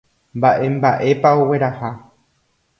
Mba'emba'épa ogueraha.